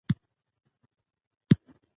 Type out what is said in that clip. تل هڅه کوم، چي صادق واوسم.